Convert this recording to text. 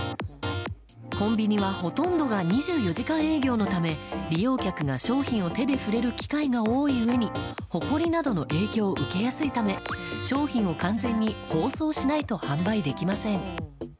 コンビニはほとんどが２４時間営業のため利用客が商品を手で触れる機会が多いうえにほこりなどの影響を受けやすいため商品を完全に包装しないと販売できません。